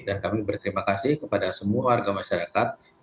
dan kami berterima kasih kepada semua warga masyarakat